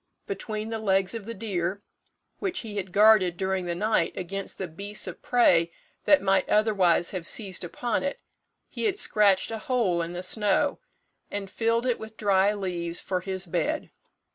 Between the legs of the deer, which he had guarded during the night against the beasts of prey that might otherwise have seized upon it, he had scratched a hole in the snow, and filled it with dry leaves for his bed.